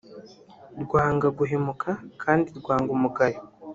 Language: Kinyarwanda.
rwanga guhemuka kandi rwanga umugayo”